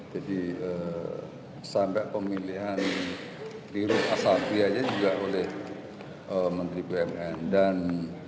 jadi sampai pemilihan diri asabri aja juga oleh menteri bumn